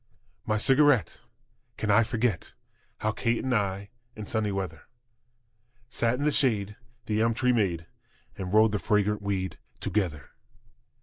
My cigarette! Can I forget How Kate and I, in sunny weather, Sat in the shade the elm tree made And rolled the fragrant weed together?